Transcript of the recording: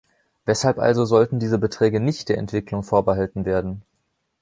Weshalb also sollten diese Beträge nicht der Entwicklung vorbehalten werden?